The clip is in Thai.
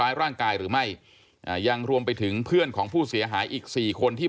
หากผู้ต้องหารายใดเป็นผู้ต้องหารายใดเป็นผู้กระทำจะแจ้งข้อหาเพื่อสรุปสำนวนต่อพนักงานอายการจังหวัดกรสินต่อไป